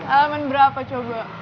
alaman berapa coba